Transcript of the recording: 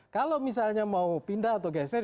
kalau misalnya mau pindah atau geser